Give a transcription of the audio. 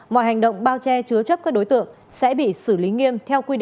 mọi hành động bao che chứa chấp các đối tượng sẽ bị xử lý nghiêm